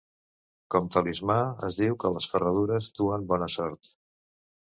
Com talismà, es diu que les ferradures duen bona sort.